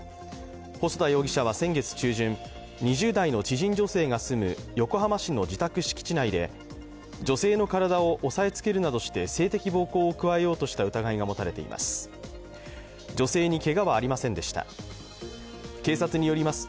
細田容疑者は先月中旬、２０代の知人女性が住む横浜市の自宅敷地内で女性の体を押さえつけるなどして性的暴行を加えようとした疑いが持たれています。